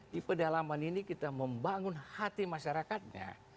di pedalaman ini kita membangun hati masyarakatnya